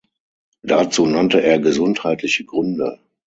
Dazu nannte er gesundheitliche Gründe.